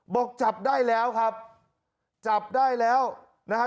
บอกจับได้แล้วครับจับได้แล้วนะฮะ